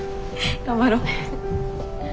頑張ろう。